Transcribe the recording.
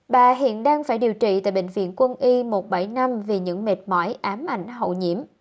bà hiện đang phải điều trị tại bệnh viện quân y một trăm bảy mươi năm vì những mệt mỏi ám ảnh hậu nhiễm